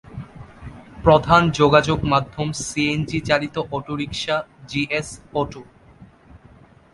প্রধান যোগাযোগ মাধ্যম সিএনজি চালিত অটোরিক্সা, জিএস, অটো।